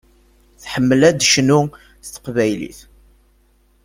Tḥemmel ad tecnu s teqbaylit.